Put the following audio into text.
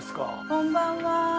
こんばんは。